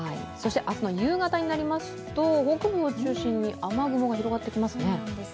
明日の夕方になりますと北部を中心に雨雲が広がってきますね。